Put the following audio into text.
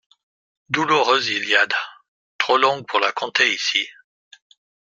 Douloureuse Iliade ! trop longue pour la conter ici.